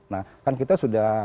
nah kan kita sudah